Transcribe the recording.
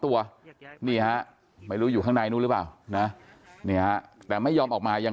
ตัวนี่ฮะไม่รู้อยู่ข้างในนู้นหรือเปล่านะเนี่ยแต่ไม่ยอมออกมายัง